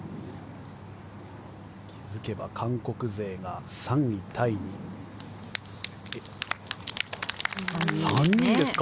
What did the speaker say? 気付けば韓国勢が３位タイに３人ですか。